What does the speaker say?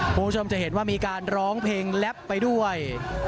คุณผู้ชมจะเห็นว่ามีการร้องเพลงแล็บไปด้วย